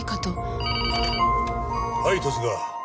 はい十津川。